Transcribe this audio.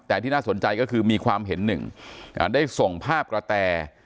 แต่ที่น่าสนใจก็คือมีความเห็นหนึ่งได้ส่งภาพกระแต